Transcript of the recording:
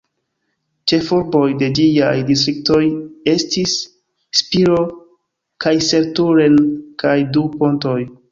Ĉefurboj de ĝiaj distriktoj estis Spiro, Kaiserslautern kaj Du-Pontoj.